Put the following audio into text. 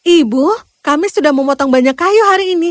ibu kami sudah memotong banyak kayu hari ini